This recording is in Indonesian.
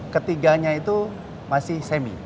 ketiganya itu masih semi